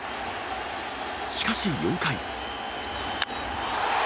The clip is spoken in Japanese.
しかし４回。